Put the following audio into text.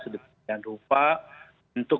sedikit dengan rupa untuk